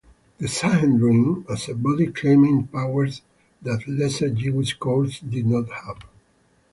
The Sanhedrin as a body claimed powers that lesser Jewish courts did not have.